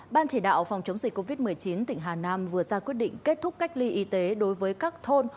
ban chỉ đạo phòng chống dịch covid một mươi chín tỉnh hà nam vừa ra quyết định kết thúc cách ly y tế đối với các thôn